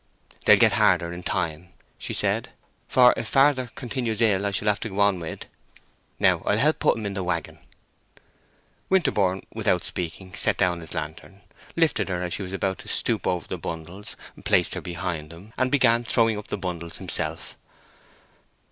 "They'll get harder in time," she said. "For if father continues ill, I shall have to go on wi' it. Now I'll help put 'em up in wagon." Winterborne without speaking set down his lantern, lifted her as she was about to stoop over the bundles, placed her behind him, and began throwing up the bundles himself.